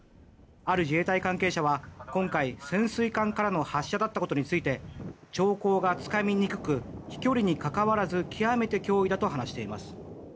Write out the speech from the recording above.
ある自衛隊関係者は今回、潜水艦からの発射だったことについて兆候がつかみにくく飛距離にかかわらず極めて脅威だと話しています。